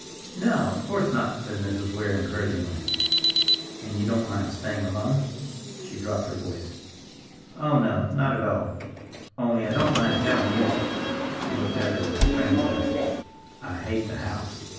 "No, of course not," said Mrs. Weir encouragingly. "And you don't mind staying alone?" she dropped her voice. "Oh, no, not at all. Only—I don't mind telling you—" he looked at her with strange eyes—"I hate the house!